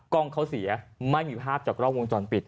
กล้องเขาเสียไม่มีภาพจากกล้องวงจรปิด